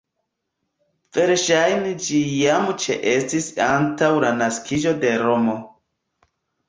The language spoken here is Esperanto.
Verŝajne ĝi jam ĉeestis antaŭ la naskiĝo de Romo.